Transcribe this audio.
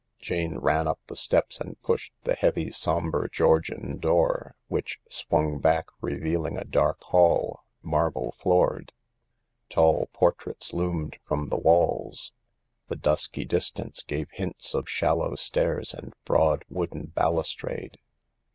Jane ran up the steps and pushed the heavy, sombre Georgian door, which swung back, revealing a dark hall —marble floored. Tall portraits loomed from the walls. 52 THE LARK The dusky distance gave hints of shallow stairs and broad, wooden balustrade.